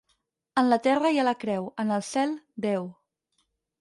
En la terra hi ha la creu; en el cel, Déu.